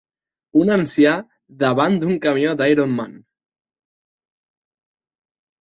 Un ancià davant d'un camió d'Iron Man.